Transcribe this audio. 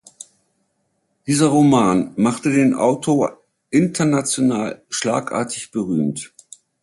Dieser Roman machte den Autor international schlagartig berühmt.